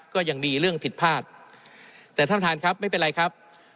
ก็ยังมีเรื่องผิดพลาดแต่ท่านประธานครับไม่เป็นไรครับ